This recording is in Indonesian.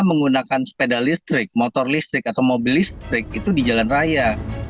menggunakan sepeda listrik motor listrik atau mobil listrik itu di jalan raya